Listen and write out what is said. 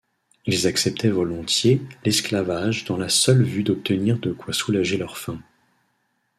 Ils acceptaient volontiers l'esclavage dans la seule vue d'obtenir de quoi soulager leur faim.